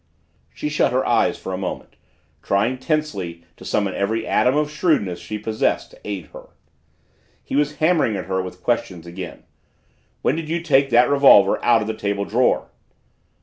She shut her eyes for a moment, trying tensely to summon every atom of shrewdness she possessed to aid her. He was hammering at her with questions again. "When did you take that revolver out of the table drawer?"